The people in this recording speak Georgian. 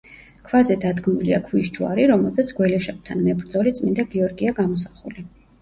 ქვაზე დადგმულია ქვის ჯვარი, რომელზეც გველეშაპთან მებრძოლი წმინდა გიორგია გამოსახული.